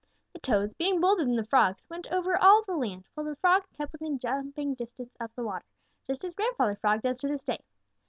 The Toads, being bolder than the Frogs, went all over the new land while the Frogs kept within jumping distance of the water, just as Grandfather Frog does to this day.